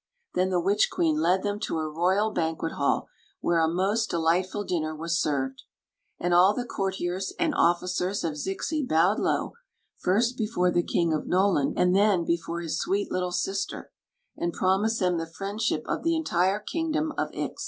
Then the witch queen led them to her royal ban quet hail, K^ere a most delightful .' iner was served. And al ^e ceurtiers and officers oi Zixi bowed low, first before the King of Noland and then before his sweet little sister, and promised them the friendship of the entire kingdom of Ix.